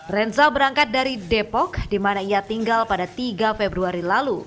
renza berangkat dari depok di mana ia tinggal pada tiga februari lalu